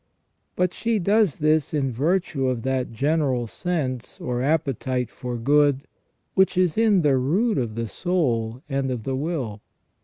But she does this in virtue of that general sense or appetite for good which is in the root of the soul and of the will.